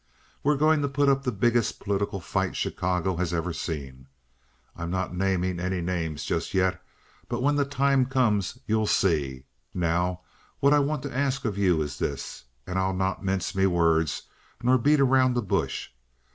We're going to put up the biggest political fight Chicago has ever seen. I'm not naming any names just yet, but when the time comes you'll see. Now, what I want to ask of you is this, and I'll not mince me words nor beat around the bush.